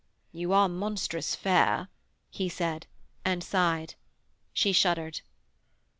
'You are monstrous fair,' he said, and sighed. She shuddered.